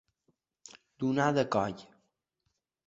Donar de coll.